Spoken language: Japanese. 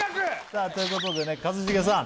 さあということでね一茂さん